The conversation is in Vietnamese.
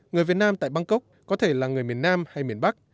người việt nam tại bangkok có thể là người miền nam hay miền bắc